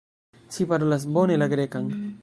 Ci parolas bone la Grekan.